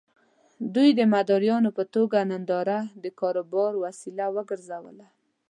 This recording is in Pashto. دوی د مداريانو په توګه ننداره د کاروبار وسيله وګرځوله.